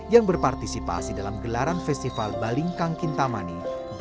yang berpartisipasi dalam gelaran festival balingkang kintamani dua ribu dua puluh